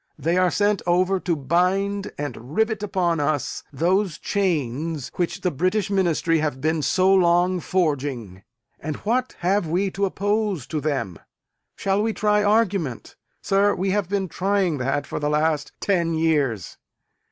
They are sent over to bind and rivet upon us those chains which the British Ministry have been so long forging. And what have we to oppose to them? Shall we try argument? Sir, we have been trying that for the last ten years.